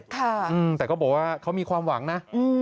แต่ก็บอกว่าเขามีความหวังนะ